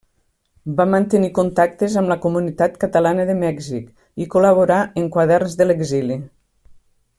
Va mantenir contactes amb la Comunitat Catalana de Mèxic i col·laborà en Quaderns de l'Exili.